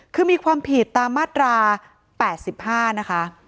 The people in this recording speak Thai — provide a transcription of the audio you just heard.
คือมีความผิดตามมาตรา๘๕นะคะ